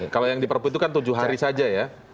kalau yang di perpu itu kan tujuh hari saja ya